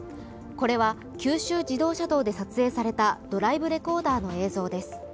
これは九州自動車道で撮影されたドライブレコーダーの映像です。